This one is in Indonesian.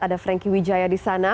ada franky wijaya di sana